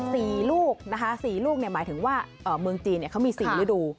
สี่ลูกสี่ลูกหมายถึงว่าเมืองจีนเขามีสี่ฤดู